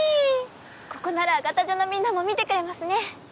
ここなら潟女のみんなも見てくれますね。